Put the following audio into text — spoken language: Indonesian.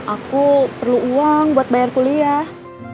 aku perlu uang buat bayar kuliah